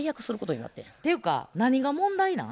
ていうか何が問題なん？